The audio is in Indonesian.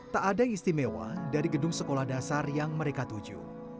tak ada yang istimewa dari gedung sekolah dasar yang mereka tuju